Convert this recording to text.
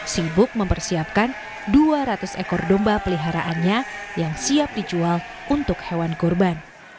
sibuk mempersiapkan dua ratus ekor domba peliharaannya yang siap dijual untuk hewan kurban